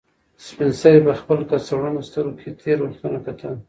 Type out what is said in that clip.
سپین سرې په خپل کڅوړنو سترګو کې تېر وختونه کتل.